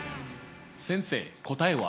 先生答えは？